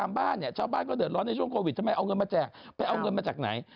คนเราก็ชอบมีคำถามว่าเอาเงินมาจากไหน